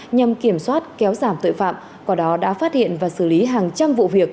nhằm kiểm soát kéo giảm tội phạm qua đó đã phát hiện và xử lý hàng trăm vụ việc